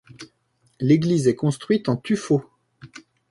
L'église est construite en tuffeau.